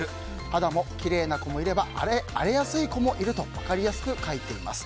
肌もきれいな子もいれば荒れやすい子もいると分かりやすく書いています。